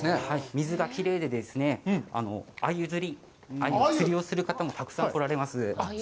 水がきれいで、アユ釣り、アユ釣りをする方もたくさんおられます。